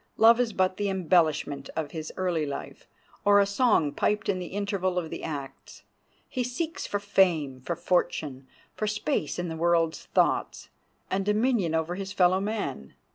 Love is but the embellishment of his early life, or a song piped in the interval of the acts. He seeks for fame, for fortune, for space in the world's thoughts, and dominion over his fellow men.